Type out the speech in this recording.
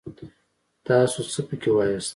تاڅو څه پکې واياست!